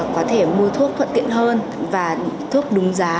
có thể mua thuốc thuận tiện hơn và thuốc đúng giá